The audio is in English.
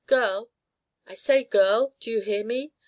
Girl! I say, girl, do you hear me?